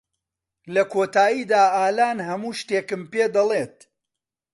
لە کۆتاییدا، ئالان هەموو شتێکم پێدەڵێت.